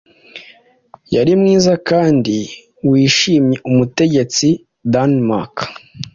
Yari mwiza kandi wishimyeumutegetsi Danemark